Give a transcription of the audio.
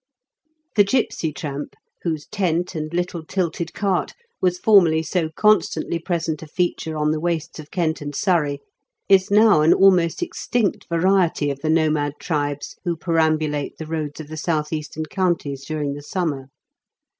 The gipsy tramp, whose tent and little tilted cart was formerly so constantly present a feature on the wastes of Kent and Surrey, is now an almost extinct variety of the nomad tribes who perambulate the roads of the south eastern counties during the summer.